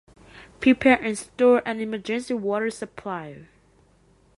Prepare and store an emergency water supply.